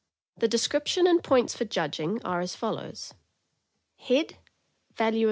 The description and points for judging are as follows: Value.